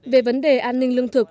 về vấn đề an ninh lương thực